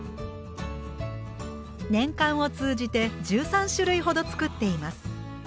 年間を通じて１３種類ほど作っています。